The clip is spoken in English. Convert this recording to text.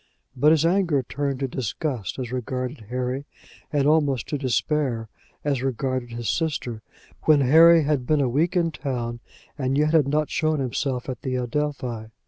But his anger turned to disgust as regarded Harry, and almost to despair as regarded his sister, when Harry had been a week in town and yet had not shown himself at the Adelphi.